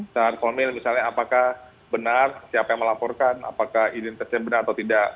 secara formil misalnya apakah benar siapa yang melaporkan apakah identitasnya benar atau tidak